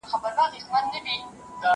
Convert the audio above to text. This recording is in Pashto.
زه پرون پوښتنه کوم!!